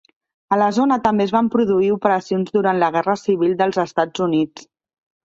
A la zona també es van produir operacions durant la Guerra Civil dels Estats Units.